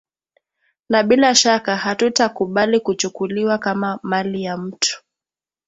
na bila shaka hatutakubali kuchukuliwa kama mali ya mtu